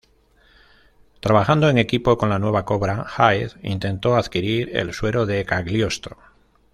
Trabajando en equipo con la nueva Cobra, Hyde intentó adquirir el suero de Cagliostro.